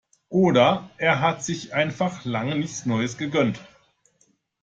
Oder er hatte sich einfach lange nichts Neues gegönnt.